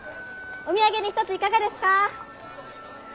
お土産に一ついかがですか？